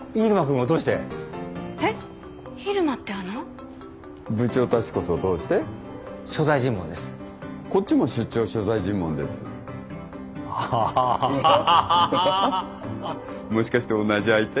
もしかして同じ相手？